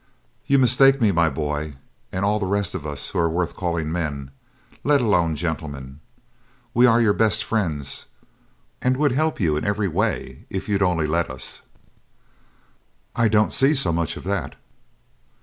'You mistake me, my boy, and all the rest of us who are worth calling men, let alone gentlemen. We are your best friends, and would help you in every way if you'd only let us.' 'I don't see so much of that.'